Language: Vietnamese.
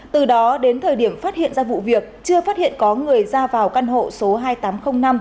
từ đó đến thời điểm phát hiện ra vụ việc chưa phát hiện có người ra vào căn hộ số hai nghìn tám trăm linh năm